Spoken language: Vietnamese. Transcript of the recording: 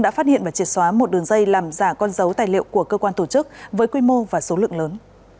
đã phát hiện và triệt xóa một đường dây làm giả con dấu tài liệu của cơ quan tổ chức với quy mô và số lượng lớn